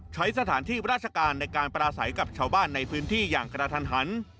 ใช้สถานที่ราชการในการปราศัยกับชาวบ้านในพื้นที่อย่างกระทันหัน